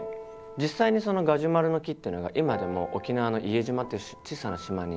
実際にそのガジュマルの木っていうのが今でも沖縄の伊江島っていう小さな島に残ってるんですね。